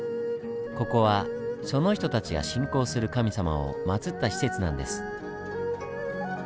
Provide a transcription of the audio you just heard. ここはその人たちが信仰する神様を祭った施設なんです。